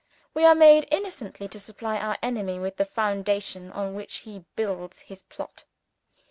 We are made innocently to supply our enemy with the foundation on which he builds his plot.